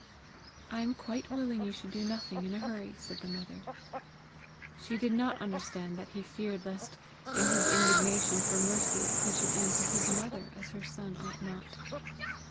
"I am quite willing you should do nothing in a hurry," said the mother. She did not understand that he feared lest, in his indignation for Mercy, he should answer his mother as her son ought not.